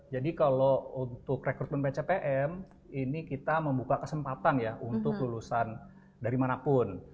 jadi kalau untuk rekrutmen pcpm ini kita membuka kesempatan ya untuk lulusan dari mana pun